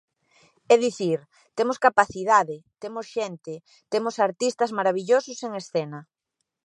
É dicir, temos capacidade, temos xente, temos artistas marabillosos en escena.